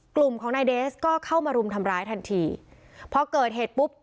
กลุ่มของนายเดสก็เข้ามารุมทำร้ายทันทีพอเกิดเหตุปุ๊บ